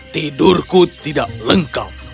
tidurku tidak lengkap